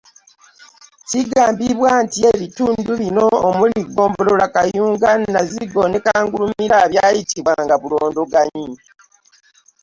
Kigambibwa nti ebitundu bino omuli ggombolola Kayunga, Nazigo ne Kangulumira byatiibwanga Bulondoganyi.